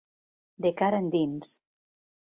De cara endins.